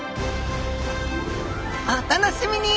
お楽しみに！